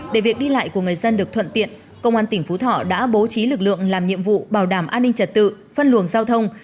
dân được thuận tiện công an tỉnh phú thọ đã bố trí lực lượng làm nhiệm vụ bảo đảm an ninh trật tự phân luận giao thông